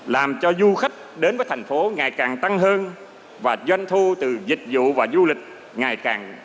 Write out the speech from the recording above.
làm cho du khách đến với thành phố ngày càng tăng hơn và doanh thu từ dịch vụ và du lịch ngày càng tăng